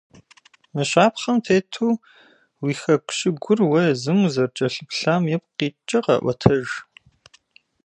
Мы щапхъэм тету уи хэку щыгур уэ езым узэрыкӀэлъыплъам ипкъ иткӀэ къэӀуэтэж.